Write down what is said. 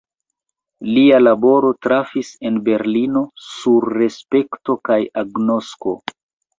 Lia laboro trafis en Berlino sur respekto kaj agnosko.